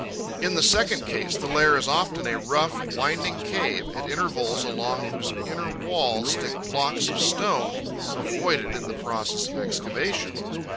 In the second case, the lair is often a rough, winding cave, at intervals along whose inner wall stick blocks of stone avoided in the process of excavation.